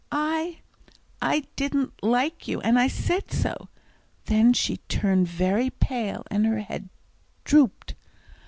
"I I didn't like you, and I said so." Then she turned very pale, and her head drooped.